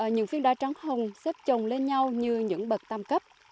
những phiên đa trắng hồng xếp trồng lên nhau như những bậc tam cấp